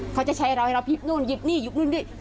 เขาจะใช้เราให้เราหยิบนู่นหยิบนี่หยิบนู่นนี่